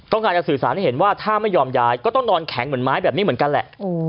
การจะสื่อสารให้เห็นว่าถ้าไม่ยอมย้ายก็ต้องนอนแข็งเหมือนไม้แบบนี้เหมือนกันแหละ